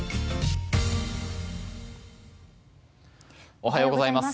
おはようございます。